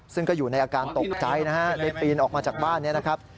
ซึ่งก็อยู่ในอาการตกใจนะฮะได้ปีนออกมาจากบ้านนี้นะครับ